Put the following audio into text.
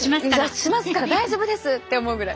しますから大丈夫ですって思うぐらい。